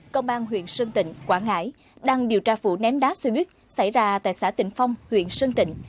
công an huyện sơn tịnh quảng ngãi đang điều tra vụ ném đá xe buýt xảy ra tại xã tịnh phong huyện sơn tịnh